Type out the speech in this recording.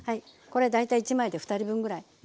これ大体１枚で２人分ぐらい。